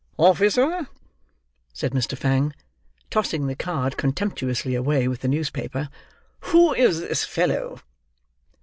"Officer!" said Mr. Fang, tossing the card contemptuously away with the newspaper. "Who is this fellow?"